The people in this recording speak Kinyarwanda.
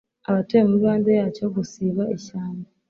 abatuye mu mibande yacyo gusiba ishyamba